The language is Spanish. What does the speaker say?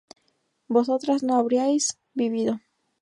vosotras no habríais vivido